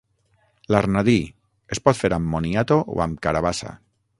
L’arnadí: es pot fer amb moniato o amb carabassa.